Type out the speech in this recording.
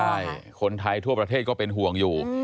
ใช่คนไทยทั่วประเทศก็เป็นห่วงอยู่